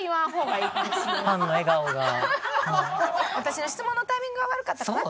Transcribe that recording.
私の質問のタイミングが悪かったかな？